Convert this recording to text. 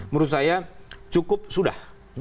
menurut saya cukup sudah